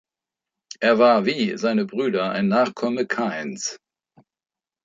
Er war wie seine Brüder ein Nachkomme Kains.